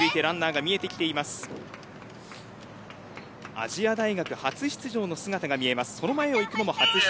亜細亜大学初出場の姿が見えます。